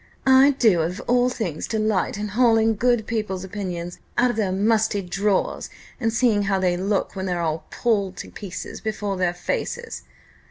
"I do of all things delight in hauling good people's opinions out of their musty drawers, and seeing how they look when they're all pulled to pieces before their faces!